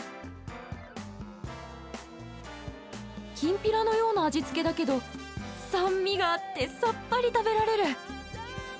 きんぴらのような味付けだけど酸味があってさっぱり食べられる。